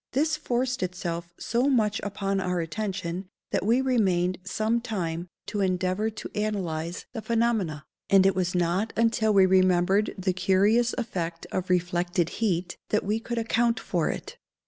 This forced itself so much upon our attention that we remained some time to endeavour to analyse the phenomena; and it was not until we remembered the curious effect of reflected heat that we could account for it.